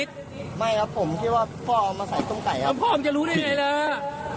ตำรวจต้องไล่ตามกว่าจะรองรับเหตุได้